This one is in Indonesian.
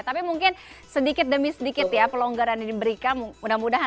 tapi mungkin sedikit demi sedikit ya pelonggaran yang diberikan mudah mudahan